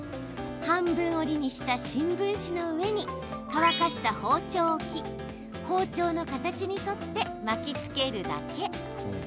半分折りにした新聞紙の上に乾かした包丁を置き包丁の形に沿って巻きつけるだけ。